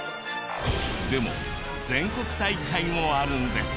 でも全国大会もあるんです。